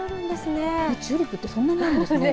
チューリップってそんなにあるんですね。